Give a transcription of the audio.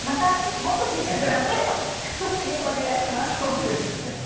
もっと小さくなってオープニングお願いします。